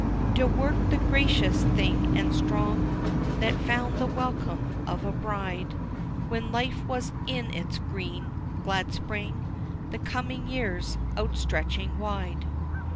To work, the gracious thing, and strong, That found the welcome of a bride When life was in its green, glad spring, The coming years outstretching wide.